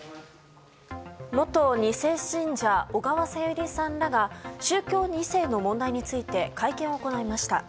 元２世信者小川さゆりさんらが宗教２世の問題について会見を行いました。